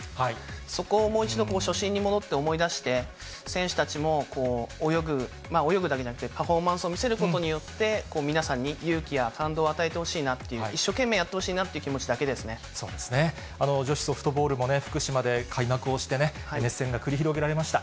そこをもう一度初心に戻って思い出して、選手たちも泳ぐ、泳ぐだけじゃなくて、パフォーマンスを見せることによって、皆さんに勇気や感動を与えてほしいなっていう、一生懸命やってほしいなといそうですね、女子ソフトボールも福島で開幕をしてね、熱戦が繰り広げられました。